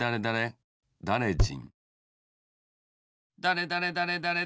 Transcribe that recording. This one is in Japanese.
だれだれだれだれ